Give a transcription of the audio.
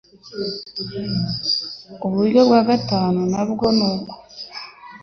uburyo bwa gatanu nabwo nuko